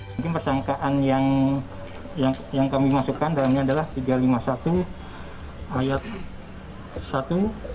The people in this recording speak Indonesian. mungkin persangkaan yang kami masukkan dalamnya adalah tiga ratus lima puluh satu ayat satu